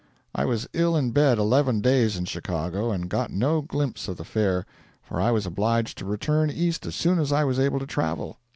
I was ill in bed eleven days in Chicago and got no glimpse of the Fair, for I was obliged to return East as soon as I was able to travel.